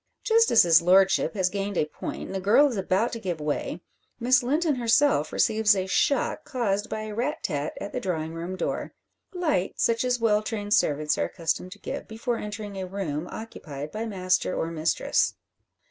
Just as his lordship has gained a point and the girl is about to give way, Miss Linton herself receives a shock, caused by a rat tat at the drawing room door, light, such as well trained servants are accustomed to give before entering a room occupied by master or mistress.